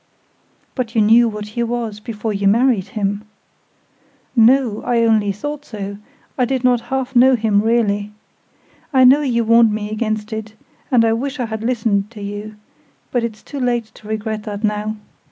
"But you knew what he was before you married him." "No; I only thought so: I did not half know him really. I know you warned me against it, and I wish I had listened to you: but it's too late to regret that now.